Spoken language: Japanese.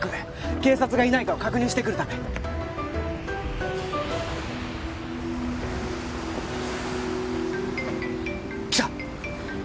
警察がいないかを確認してくるためきた！